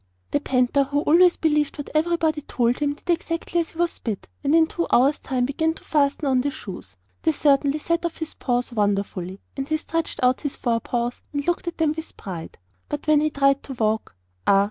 The panther, who always believed what everybody told him, did exactly as he was bid, and in two hours' time began to fasten on the shoes. They certainly set off his paws wonderfully, and he stretched out his forepaws and looked at them with pride. But when he tried to walk ah!